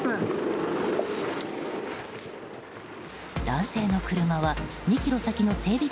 男性の車は２ｋｍ先の整備